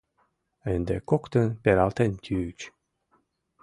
Ынде коктын пералтен йӱыч.